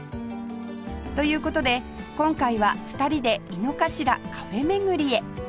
という事で今回は２人で井の頭カフェ巡りへ